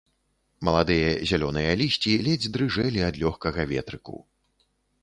Маладыя зялёныя лісці ледзь дрыжэлі ад лёгкага ветрыку.